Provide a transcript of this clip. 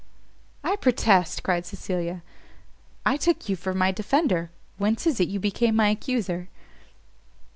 "I protest," cried Cecilia, "I took you for my defender! whence is it you are become my accuser?"